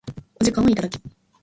お時間をいただき